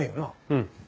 うん。